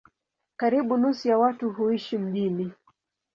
Karibu nusu ya watu huishi mijini.